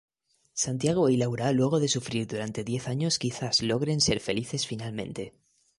Santiago y Laura luego de sufrir durante diez años quizás logren ser felices finalmente.